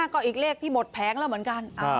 ก็อีกเลขที่หมดแผงแล้วเหมือนกัน